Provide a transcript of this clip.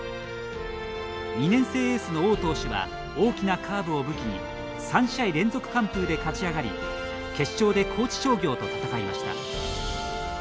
２年生エースの王投手は大きなカーブを武器に３試合連続完封で勝ち上がり決勝で高知商業と戦いました。